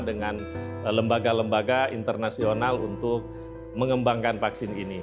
dengan lembaga lembaga internasional untuk mengembangkan vaksin ini